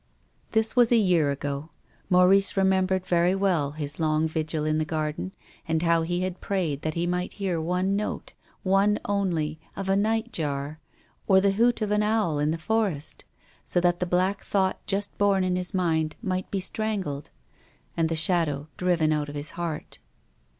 This was a year ago. Maurice remembered very well his long vigil in the garden, and how he had prayed that he might hear one note, one only, of a night jar, or the hoot of an owl in the forest, so that the black thought just born in his mind might be strangled, and the shadow driven out of his heart.